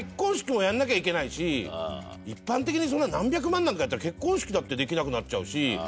いやだから一般的にそんな何百万なんかやったら結婚式だってできなくなっちゃうし。